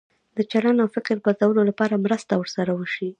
د چلند او فکر بدلولو لپاره مرسته ورسره وشي.